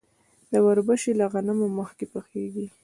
وربشې له غنمو مخکې پخیږي.